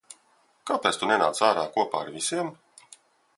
Kāpēc tu nenāc āra kopā ar visiem?